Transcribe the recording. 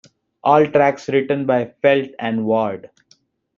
All tracks written by Felt and Ward.